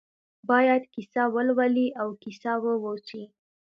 باید کیسه ولولي او کیسه واوسي.